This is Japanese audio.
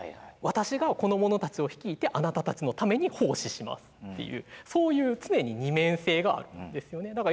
私がこの者たちを率いてあなたたちのために奉仕しますっていうそういう常に二面性があるんですよね。